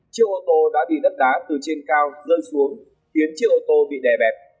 chiếc ô tô đã bị đất đá từ trên cao rơi xuống khiến chiếc ô tô bị đè bẹt